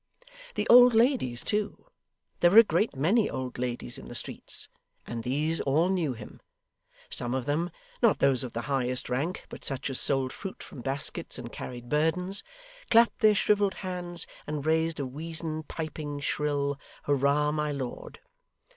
The old ladies too there were a great many old ladies in the streets, and these all knew him. Some of them not those of the highest rank, but such as sold fruit from baskets and carried burdens clapped their shrivelled hands, and raised a weazen, piping, shrill 'Hurrah, my lord.